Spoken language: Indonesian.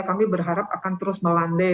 kami berharap akan terus melandai